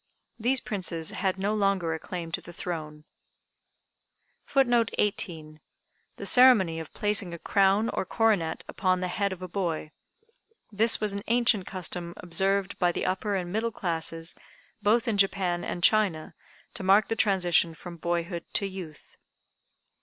These Princes had no longer a claim to the throne.] [Footnote 18: The ceremony of placing a crown or coronet upon the head of a boy. This was an ancient custom observed by the upper and middle classes both in Japan and China, to mark the transition from boyhood to youth.